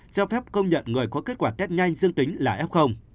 cho phép công nhận người có kết quả test nhanh dương tính là f